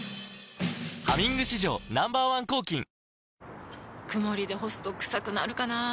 「ハミング」史上Ｎｏ．１抗菌曇りで干すとクサくなるかなぁ。